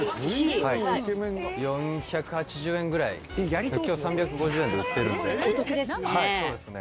４８０円ぐらい今日は３５０円で売ってるんでお得ですね